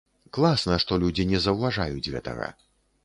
Класна, што людзі не заўважаюць гэтага.